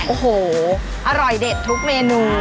โอ้โหอร่อยเด็ดทุกเมนู